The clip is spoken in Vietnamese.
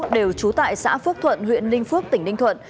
đều trú tại xã phước thuận huyện ninh phước tỉnh ninh thuận